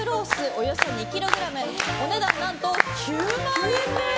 およそ２ｋｇお値段、何と９万円です。